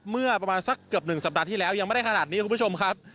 เมื่อประมาณสักเกือบ๑สัปดาห์ที่แล้วยังไม่ได้ขนาดนี้คุณผู้ชมครับ